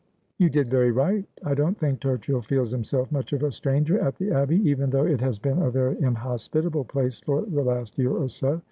' You did very right. I don't think Turchill feels himself much of a stranger at the Abbey, even though it has been a very inhospitable place for the last year or so.